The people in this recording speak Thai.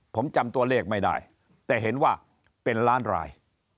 ผมจำตัวเลขไม่ได้แต่เห็นว่าเป็นล้านราย